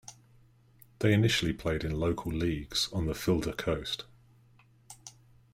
They initially played in local leagues on the Fylde coast.